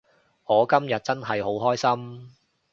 我今日真係好開心